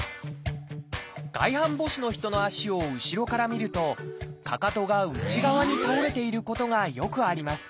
外反母趾の人の足を後ろから見るとかかとが内側に倒れていることがよくあります。